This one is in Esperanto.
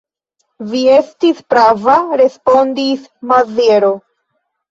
Vi estis prava, respondis Maziero.